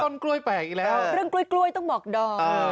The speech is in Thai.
ต้นกล้วยแปลกอีกแล้วเรื่องกล้วยต้องบอกดอม